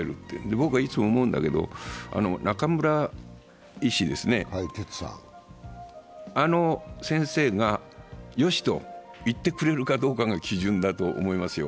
僕はいつも思うんだけど中村医師、あの先生がよしと言ってくれるかどうかが基準だと思いますよ。